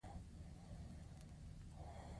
دا د اضافي پیسو په مقابل کې ورکول کېږي